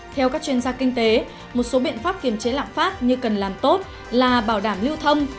theo các chuyên gia kinh tế một số biện pháp kiềm chế lạm phát như cần làm tốt là bảo đảm lưu thông